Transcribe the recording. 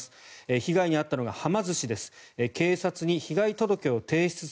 被害に遭ったのがはま寿司です。